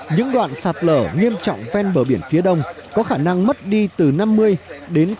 những đoạn sạt lở nghiêm trọng ven bờ biển phía đông có khả năng mất đi từ năm mươi đến tám mươi hectare rừng phòng hộ